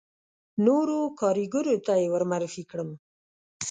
نورو کاریګرو ته یې ور معرفي کړم.